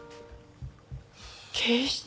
警視庁？